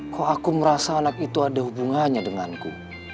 kok aku merasa anak itu ada hubungannya denganku